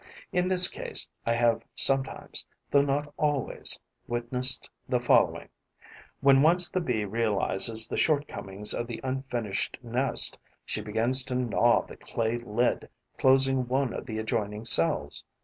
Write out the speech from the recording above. In this case, I have sometimes, though not always, witnessed the following: when once the Bee realises the shortcomings of the unfinished nest, she begins to gnaw the clay lid closing one of the adjoining cells.